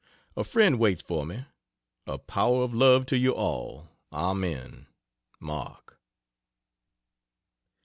A friend waits for me. A power of love to you all. Amen. MARK.